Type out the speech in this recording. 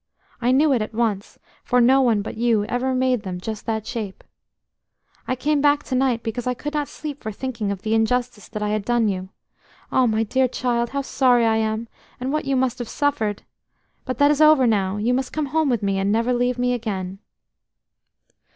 I knew it at once, for no one but you ever made them just that shape.... "I came back to night because I could not sleep for thinking of the injustice that I had done you. Oh, my dear child, how sorry I am, and what you must have suffered! But that is over now. You must come home with me, and never leave me again."